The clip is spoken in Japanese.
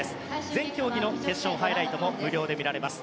全競技の決勝ハイライトも無料で見られます。